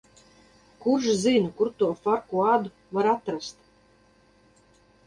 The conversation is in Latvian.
Kurš zina, kur to Farkuadu var atrast?